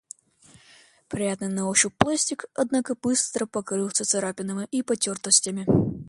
Приятный на ощупь пластик, однако, быстро покрылся царапинами и потертостями.